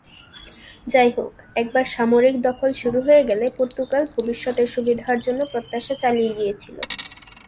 যাইহোক, একবার সামরিক দখল শুরু হয়ে গেলে পর্তুগাল ভবিষ্যতের সুবিধার জন্য প্রত্যাশা চালিয়ে গিয়েছিল।